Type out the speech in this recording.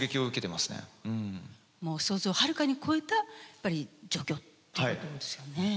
もう想像をはるかに超えたやっぱり状況っていうことですよね。